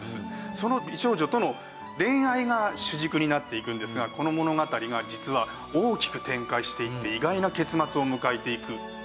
その美少女との恋愛が主軸になっていくんですがこの物語が実は大きく展開していって意外な結末を迎えていく。